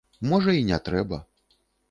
Можа, і не трэба.